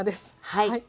はい。